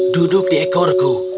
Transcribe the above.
duduk di ekorku